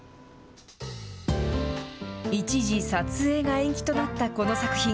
一時撮影が延期となったこの作品。